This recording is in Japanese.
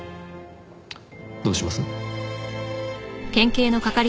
どうします？